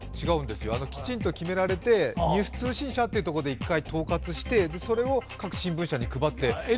違うんですよ、きちんと決められて、ニュース通信社というところで１回統括して、それを各新聞社に配って。